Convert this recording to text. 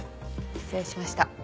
失礼しました。